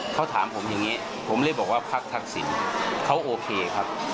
เขาถามผมอย่างนี้ผมเลยบอกว่าพักทักษิณเขาโอเคครับ